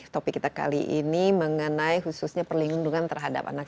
topik kita kali ini mengenai khususnya perlindungan terhadap anak